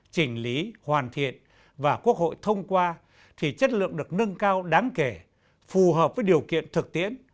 chỉnh lý hoàn thiện và quốc hội thông qua thì chất lượng được nâng cao đáng kể phù hợp với điều kiện thực tiễn